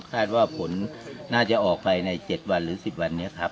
คาดว่าผลน่าจะออกไปใน๗วันหรือ๑๐วัน